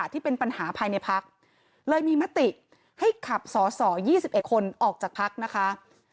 ที่เป็นปัญหาภายในพักเลยมีมติให้ขับสอสอ๒๑คนออกจากพักนะคะ